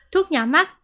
thuốc nhỏ mắt